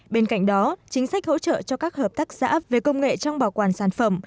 bên cạnh đó chính sách hỗ trợ cho các hợp tác xã về công nghệ trong bảo quản sản phẩm